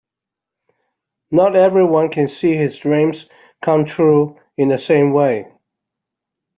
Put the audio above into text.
Not everyone can see his dreams come true in the same way.